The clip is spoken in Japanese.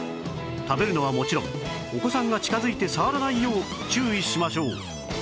食べるのはもちろんお子さんが近づいて触らないよう注意しましょう